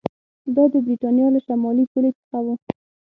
دا د برېټانیا له شمالي پولې څخه و